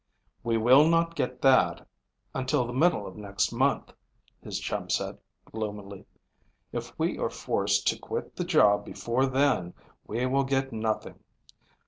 "We will not get that until the middle of next month," his chum said gloomily. "If we are forced to quit the job before then we will get nothing.